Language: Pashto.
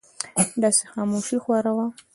داسې خاموشي خوره وه.